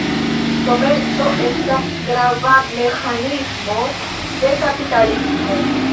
Komerco estas grava meĥanismo de kapitalismo.